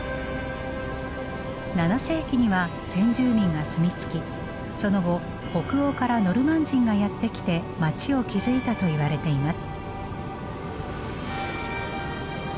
７世紀には先住民が住み着きその後北欧からノルマン人がやって来て街を築いたといわれています。